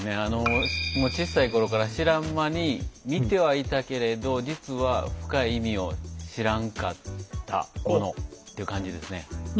もうちっさい頃から知らん間に見てはいたけれど実は深い意味を知らんかったものっていう感じですね。